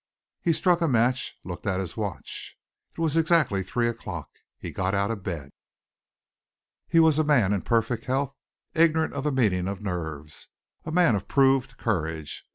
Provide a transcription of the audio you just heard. He struck a match and looked at his watch. It was exactly three o'clock. He got out of bed. He was a man in perfect health, ignorant of the meaning of nerves, a man of proved courage.